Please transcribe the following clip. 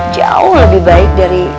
jauh lebih baik dari